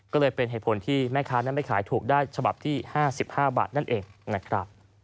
ก็เลยเป็นเหตุผลที่แม่ค้านั้นไม่ขายถูกได้ฉบับที่๕๕บาทนั่นเองนะครับ